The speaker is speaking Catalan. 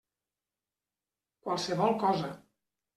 Qualsevol cosa.